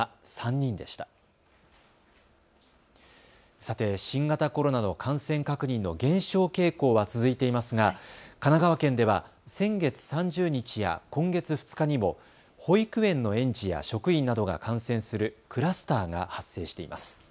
さて新型コロナの感染確認の減少傾向は続いていますが神奈川県では先月３０日や今月２日にも保育園の園児や職員などが感染するクラスターが発生しています。